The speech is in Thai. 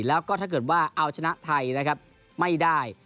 แล้วก็ถ้าเกิดว่าเอาชนะไทยนะครับไม่ได้